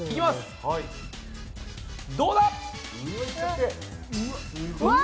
どうだ！